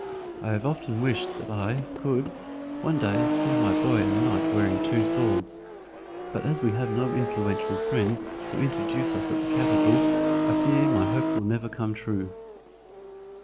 I have often wished that I could, one day, see my boy a knight wearing two swords, but as we have no influential friend to introduce us at the Capital, I fear my hope will never come true."